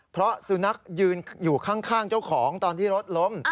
เพราะสุนัขยืนอยู่ข้างเจ้าของตอนที่รถล้ม